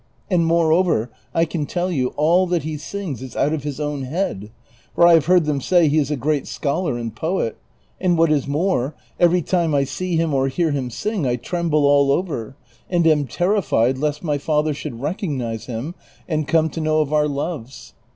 And moreover, I can tell you, all that lie sings is out of his own head ; for I have heard them say he is a great scholar and poet ; and what is more, every time I see him or hear him sing I tremble all over, and am terrified lest my father should recognize him and come to know of our loves.